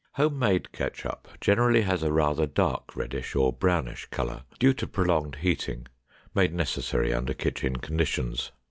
Home made ketchup generally has a rather dark reddish or brownish color, due to prolonged heating, made necessary under kitchen conditions.